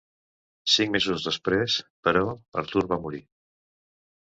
Cinc mesos després, però, Artur va morir.